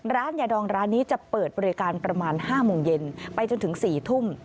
ร้านยาดองร้านนี้จะเปิดบริการประมาณ๕โมงเย็นไปจนถึง๔ทุ่ม